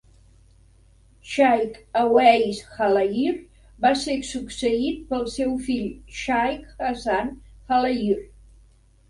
Shaikh Awais Jalayir va ser succeït pel seu fill Shaikh Hasan Jalayir.